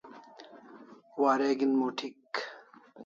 Wareg'in moth'ik